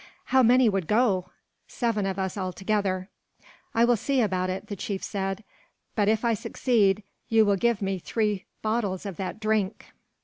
"How many would go?" "Seven of us, altogether." "I will see about it," the chief said; "but if I succeed, you will give me three bottles of that drink."